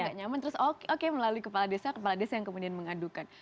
gak nyaman terus oke melalui kepala desa kepala desa yang kemudian mengadukan